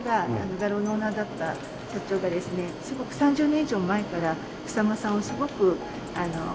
画廊のオーナーだった社長がですね３０年以上前から草間さんをすごくやっぱり。